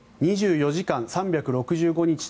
２４時間３６５日